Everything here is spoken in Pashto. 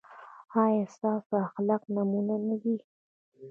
ایا ستاسو اخلاق نمونه نه دي؟